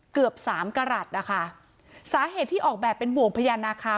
เกือบสามกระหลัดนะคะเพชรซาเหตุที่ออกแบบเป็นบวงไภยานะคะ